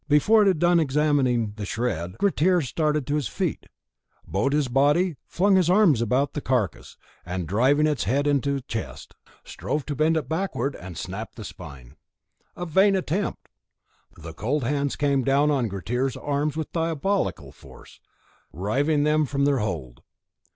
Before it had done examining the shred, Grettir started to his feet, bowed his body, flung his arms about the carcass, and, driving his head into the chest, strove to bend it backward and snap the spine. A vain attempt! The cold hands came down on Grettir's arms with diabolical force, riving them from their hold.